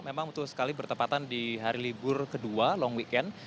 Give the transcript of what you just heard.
memang betul sekali bertepatan di hari libur kedua long weekend